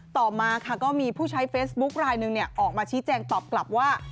ต่อมาค่ะก็มีผู้ใช้เฟซบุ๊คลายหนึ่งออกมาชี้แจงตอบกลับว่า